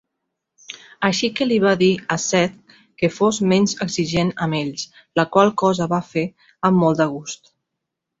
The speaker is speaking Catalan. Així que li va dir a Sedg que fos menys exigent amb ells, la qual cosa va fer amb molt de gust.